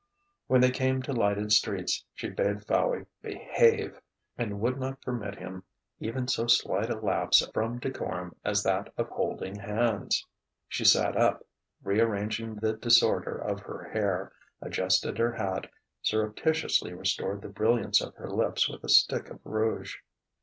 When they came to lighted streets, she bade Fowey "behave," and would not permit him even so slight a lapse from decorum as that of "holding hands." She sat up, rearranging the disorder of her hair, adjusted her hat, surreptitiously restored the brilliance of her lips with a stick of rouge.